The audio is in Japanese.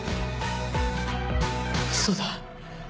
嘘だ。